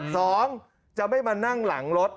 สองจะไม่มานั่งหลังรถ